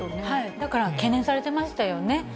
だから懸念されてましたよね。